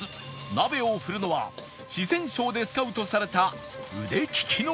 鍋を振るのは四川省でスカウトされた腕利きの料理人